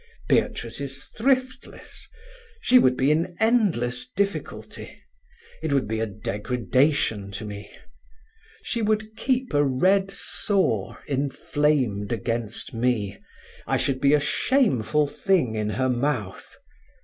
Beatrice is thriftless. She would be in endless difficulty. It would be a degradation to me. She would keep a red sore inflamed against me; I should be a shameful thing in her mouth.